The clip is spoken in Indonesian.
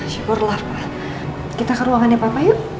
syukurlah pak kita ke ruangannya papa yuk